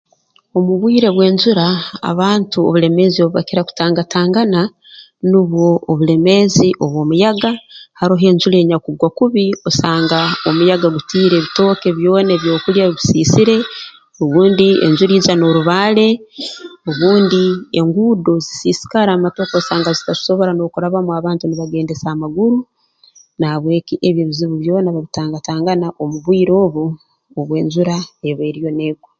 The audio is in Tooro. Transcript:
Omu bwire bw'enjura abantu obulemeezi obu bakira kutangatangana nubwo obulemeezi obw'omuyaga haroho ejura enyakugwa kubi osanga omuyanga gutiire ebitooke byona ebyokulya bisiisire rundi enjura ija n'orubaale obundi enguudo zisiisikara motoka osanga zitasobora n'okurabamu abantu nibagendesa amaguru na habw'eki ebi ebizibu byona babitangatangana omu bwire obu obw'enjura eba eriyo negwa